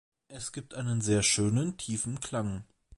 Es gibt einen sehr schönen, tiefen Klang.